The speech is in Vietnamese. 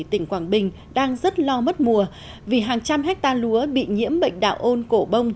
tỉnh quảng bình đang rất lo mất mùa vì hàng trăm hectare lúa bị nhiễm bệnh đạo ôn cổ bông